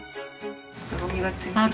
とろみがついてきた。